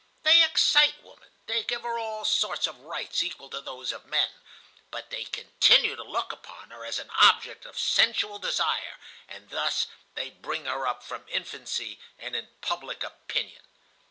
They excite woman, they give her all sorts of rights equal to those of men, but they continue to look upon her as an object of sensual desire, and thus they bring her up from infancy and in public opinion.